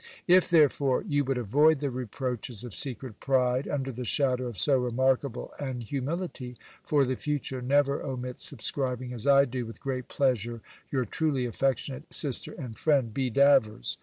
If, therefore, you would avoid the reproaches of secret pride, under the shadow of so remarkable an humility, for the future never omit subscribing as I do, with great pleasure, your truly affectionate sister and friend, B. DAVERS.